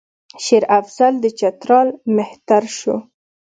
شېر افضل د چترال مهتر شو.